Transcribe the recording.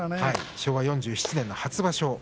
昭和４７年の初場所。